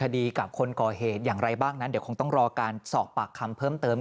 คดีกับคนก่อเหตุอย่างไรบ้างนั้นเดี๋ยวคงต้องรอการสอบปากคำเพิ่มเติม